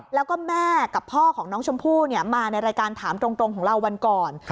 แล้วก็แม่กับพ่อของน้องชมพู่มาในรายการถามตรงของเราวันก่อน